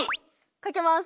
かけます。